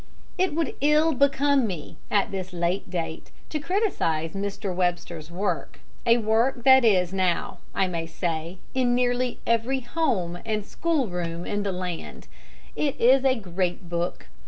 It would ill become me, at this late date, to criticise Mr. Webster's work, a work that is now, I may say, in nearly every home and school room in the land. It is a great book.